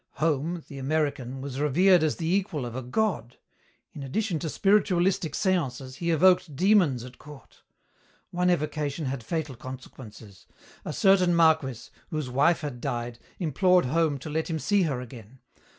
Home, the American, was revered as the equal of a god. In addition to spiritualistic séances he evoked demons at court. One evocation had fatal consequences. A certain marquis, whose wife had died, implored Home to let him see her again.